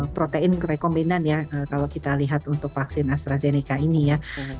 protein rekomenan ya kalau kita lihat untuk vaksin astrazeneca ini ya